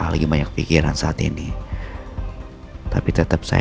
dan saya ingin mencari teman teman yang bisa membantu saya